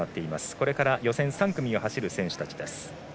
これから予選３組を走る選手たち。